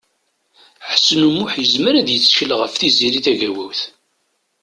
Ḥsen U Muḥ yezmer ad yettkel ɣef Tiziri Tagawawt.